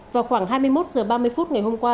vào khoảng hai mươi một h ba mươi phút ngày hôm qua